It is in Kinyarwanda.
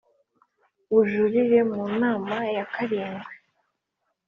bujurire mu Nama ya karindwi